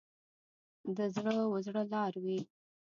د زړه و زړه لار وي.